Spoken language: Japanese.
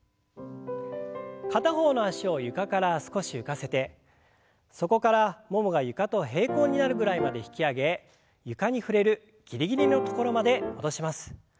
片方の脚を床から少し浮かせてそこからももが床と平行になるぐらいまで引き上げ床に触れるギリギリの所まで戻します。